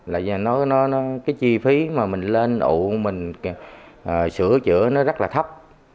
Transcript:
là cái chi phí mà mình lên ụ mình sửa chữa nó rất là thấp